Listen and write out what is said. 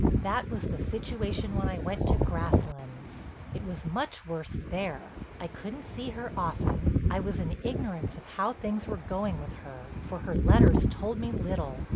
"That was the situation when I went to Grasslands. It was much worse there—I couldn't see her often, I was in ignorance of how things were going with her, for her letters told me little.